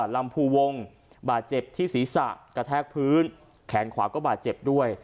ลำภูวงบาดเจ็บที่ศีรษะกระแทกพื้นแขนขวาก็บาดเจ็บด้วย